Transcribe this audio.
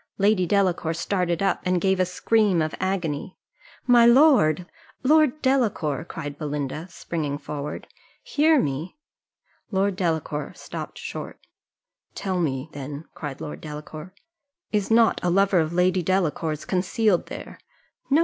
Lady Delacour started up, and gave a scream of agony. "My lord! Lord Delacour," cried Belinda, springing forward, "hear me." Lord Delacour stopped short. "Tell me, then," cried Lord Delacour, "is not a lover of Lady Delacour's concealed there?" "No!